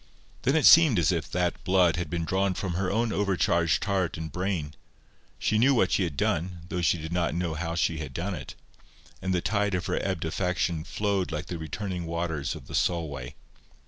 Then it seemed as if that blood had been drawn from her own over charged heart and brain; she knew what she had done, though she did not know how she had done it; and the tide of her ebbed affection flowed like the returning waters of the Solway.